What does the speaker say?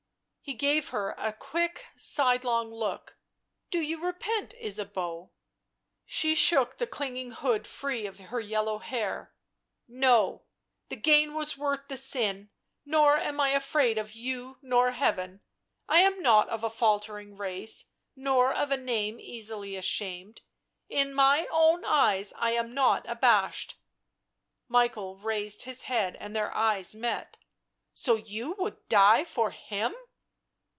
He gave her a quick sidelong look. " Do you repent, Ysabeau ?" She shook the clinging hood free of her yellow hair. " No ; the gain was worth the sin, nor am I afraid of you nor of Heaven. I am not of a faltering race, nor of a name easily ashamed. In my own eyes I am not abashed." Michael raised his head and their eyes met. " So you would die for him?"